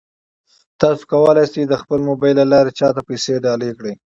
تاسو کولای شئ د خپل موبایل له لارې چا ته پیسې ډالۍ کړئ.